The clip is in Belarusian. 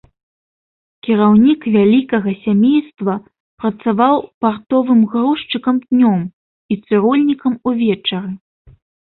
Кіраўнік вялікага сямейства працаваў партовым грузчыкам днём і цырульнікам увечары.